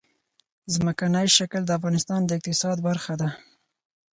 ځمکنی شکل د افغانستان د اقتصاد برخه ده.